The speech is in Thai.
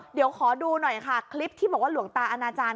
เดี๋ยวขอดูหน่อยค่ะคลิปที่บอกว่าหลวงตาอนาจารย